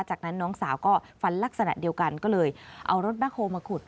จากนั้นน้องสาวก็ฟันลักษณะเดียวกันก็เลยเอารถแบคโฮลมาขุด